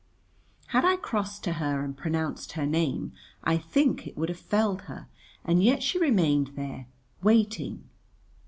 Had I crossed to her and pronounced her name I think it would have felled her, and yet she remained there, waiting.